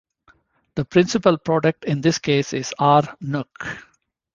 The principal product in this case is R-Nuc.